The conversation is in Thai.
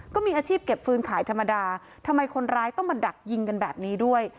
ก็มีอาชีพเก็บฟืนขายธรรมดาทำไมคนร้ายต้องมาดักยิงกันแบบนี้ด้วย